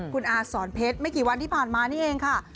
คุณอาสอนเพชรไม่กี่วันที่ผ่านมานี่เองค่ะ